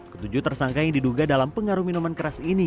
ketujuh tersangka yang diduga dalam pengaruh minuman keras ini